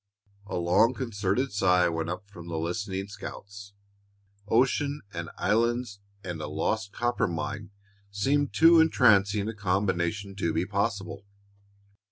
A long, concerted sigh went up from the listening scouts. Ocean and islands and a lost copper mine seemed too entrancing a combination to be possible.